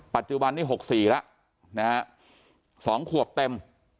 ปัจจุบันนี้๖๔แล้วนะฮะ๒ขวบเต็ม